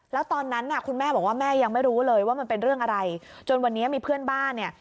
แล้วตอนนั้นน่ะคุณแม่บอกว่าแม่ยังไม่รู้เลยว่ามันเป็นเรื่องอะไรจนวันนี้มีเพื่อนบ้านเนี่ย